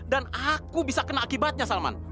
dan aku bisa kena akibatnya salman